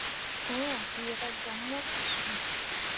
Dattǝǝre a yiira gah mo ke suu.